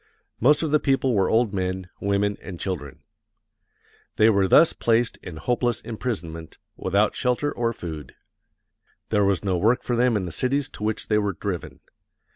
Most of the people were old men, women, and children. They were thus placed in hopeless imprisonment, without shelter or food. There was no work for them in the cities to which they were driven.